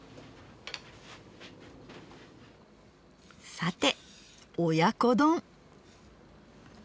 さて親子丼。